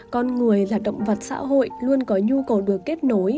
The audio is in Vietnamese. con người là động vật xã hội luôn có nhu cầu được kết nối